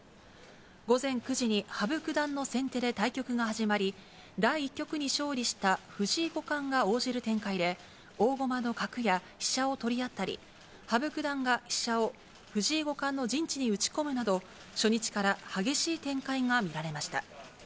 午前９時に羽生九段の先手で対局が始まり、第１局に勝利した藤井五冠が応じる展開で、大駒の角や飛車を取り合ったり、羽生九段が飛車を、藤井五冠の陣地に打ち込むなど、初日から激しい展開が見られました。